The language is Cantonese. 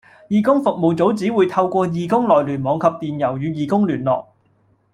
義工服務組只會透過義工內聯網及電郵與義工聯絡